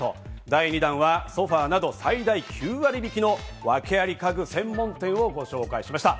第２弾はソファーなど最大９割引のワケアリ家具専門店をご紹介しました。